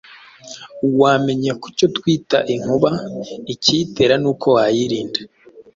wamenya ku cyo twita inkuba, ikiyitera nuko wayirinda